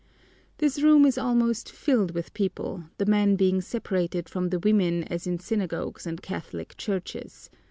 This room is almost filled with people, the men being separated from the women as in synagogues and Catholic churches.